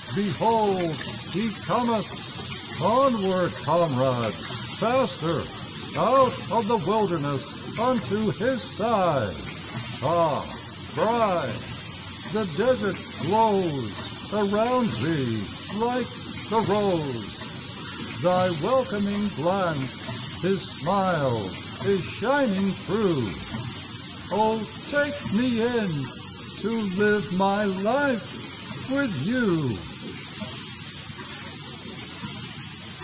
Behold, He cometh ! Onward, comrades, faster, Out of the wilderness unto His side I Ah, Bride ! the desert glows Around thee like the rose ! Thy welcoming glance His smile is shining through ; Oh, take me in, to live my life with you